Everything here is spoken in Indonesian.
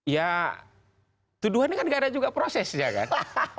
ya tuduhan kan nggak ada juga prosesnya kan